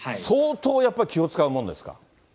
相当やっぱり気を遣うものですか？